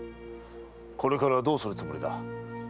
これからどうするつもりだ？